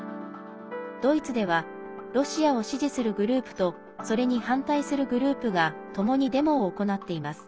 ドイツではロシアを支持するグループとそれに反対するグループがともにデモを行っています。